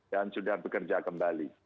dan sudah bekerja kembali